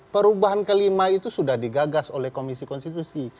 perubahan kelima itu sudah digagas oleh komisi konstitusi